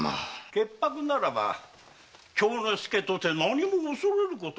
潔白ならば京之介とて何も恐れることはござるまい。